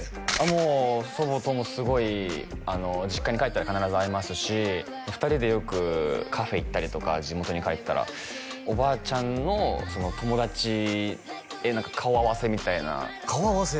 もう祖母ともすごい実家に帰ったら必ず会いますし２人でよくカフェ行ったりとか地元に帰ったらおばあちゃんの友達へ顔合わせみたいな顔合わせ？